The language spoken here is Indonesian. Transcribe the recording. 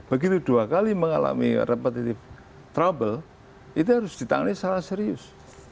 begitu dua kali mengalami repetitive trouble itu harus ditangani secara serius